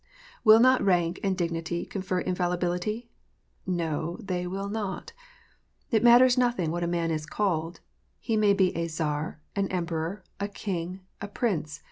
Will not rank and dignity confer infallibility ? Xo : they will not ! It matters nothing what a man is called. He may be a Czar, an Emperor, a King, a Prince.